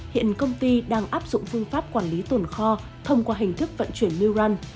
hiện công ty đang áp dụng phương pháp quản lý tồn kho thông qua hình thức vận chuyển new run